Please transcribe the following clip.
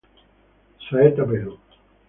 Saeta Perú